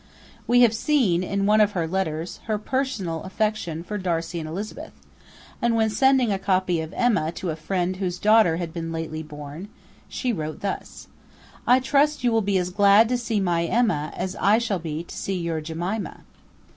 We have seen, in one of her letters, her personal affection for Darcy and Elizabeth; and when sending a copy of 'Emma' to a friend whose daughter had been lately born, she wrote thus: 'I trust you will be as glad to see my "Emma," as I shall be to see your Jemima.'